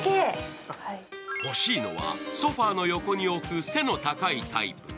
欲しいのは、ソファーの横に置く背の高いタイプ。